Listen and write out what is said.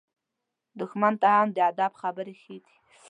دښمن ته هم د ادب خبرې ښه دي.